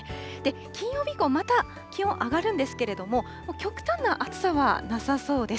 金曜日以降、また気温上がるんですけれども、極端な暑さはなさそうです。